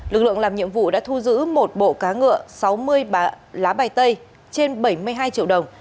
lực lượng làm nhiệm vụ đã thu giữ một bộ cá ngựa sáu mươi lá bài tây trên bảy mươi hai triệu đồng